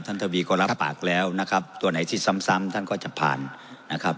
ทวีก็รับปากแล้วนะครับตัวไหนที่ซ้ำท่านก็จะผ่านนะครับ